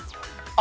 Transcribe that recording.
「あ」？